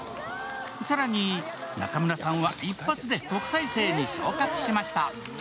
更に、中村さんは一発で特待生に昇格しました。